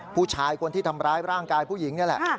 ผู้ชายคนที่ทำร้ายร่างกายผู้หญิงนี่แหละ